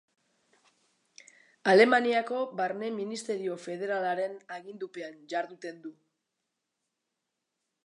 Alemaniako Barne Ministerio Federalaren agindupean jarduten du.